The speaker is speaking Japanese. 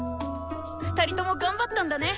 ２人とも頑張ったんだね。